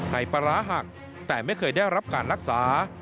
ไอปลาร้าหักแต่ไม่เคยได้รับการรักษา